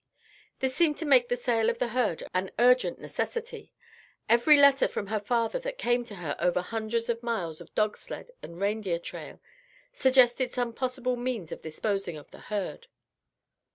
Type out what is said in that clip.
This seemed to make the sale of the herd an urgent necessity. Every letter from her father that came to her over hundreds of miles of dog sled and reindeer trail, suggested some possible means of disposing of the herd.